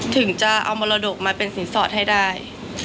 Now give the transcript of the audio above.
ถึงจะเอามรดกมาเป็นสินสอดให้ได้